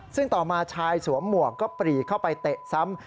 ซึ่งต่อมาชายสวมหมวกก็ปรีเข้าไปเตะซ้ำ